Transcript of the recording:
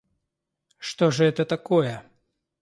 Что же это такое?»